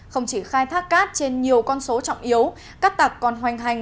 không chỉ khai thác cát trên nhiều con số trọng yếu cát tặc còn hoành hành